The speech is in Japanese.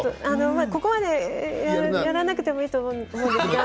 ここまでやらなくてもいいと思いますけど。